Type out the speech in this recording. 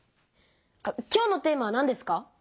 あっ今日のテーマはなんですか？